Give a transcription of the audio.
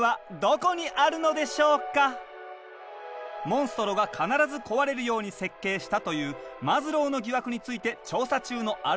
「モンストロが必ず壊れるように設計した」というマズローの疑惑について調査中のアルカ号メンバー。